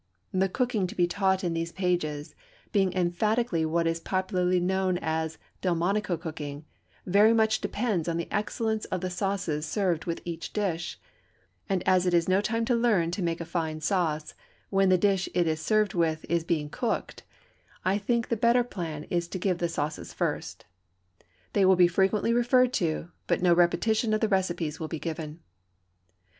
The cooking to be taught in these pages, being emphatically what is popularly known as "Delmonico cooking," very much depends on the excellence of the sauces served with each dish; and as it is no time to learn to make a fine sauce when the dish it is served with is being cooked, I think the better plan is to give the sauces first. They will be frequently referred to, but no repetition of the recipes will be given.